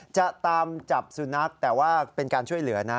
จะตามจับสุนัขแต่ว่าเป็นการช่วยเหลือนะ